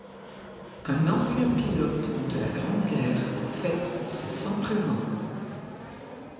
Un ancien pilote de la Grande Guerre fête ses cent treize ans.